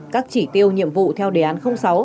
các chỉ tiêu nhiệm vụ theo đề án sáu